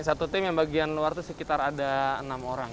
satu tim yang bagian luar itu sekitar ada enam orang